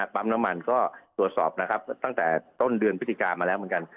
ปั๊มน้ำมันก็ตรวจสอบนะครับตั้งแต่ต้นเดือนพฤศจิกามาแล้วเหมือนกัน